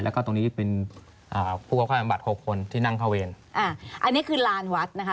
แล้วก็ตรงนี้เป็นอ่าผู้เข้าอำบัดหกคนที่นั่งเข้าเวรอ่าอันนี้คือลานวัดนะคะ